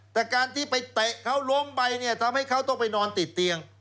แต่การที่ไปเตะเขาล้มไปเนี่ยทำให้เขาต้องไปนอนติดเตียง